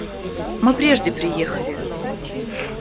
Мы прежде приехали.